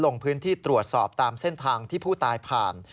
ลงพื้นที่ตรวจสอบตามเส้นทางที่ผู้ตายผ่าน